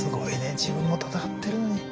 自分も闘ってるのに。